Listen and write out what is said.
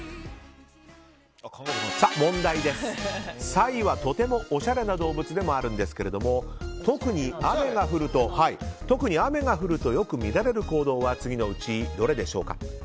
サイはとてもおしゃれな動物でもあるんですけど特に雨が降るとよく見られる行動は次のうちどれでしょうか。